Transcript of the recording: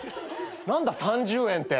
何だ３０円って。